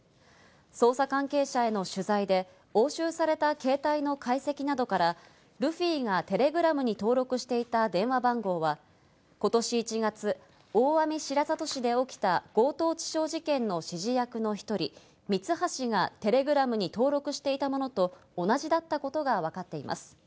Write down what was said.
捜査関係者への取材で押収された携帯の解析などから、ルフィがテレグラムに登録していた電話番号はことし１月、大網白里市で起きた強盗致傷事件の指示役のひとり、ミツハシがテレグラムに登録していたものと同じだったことがわかっています。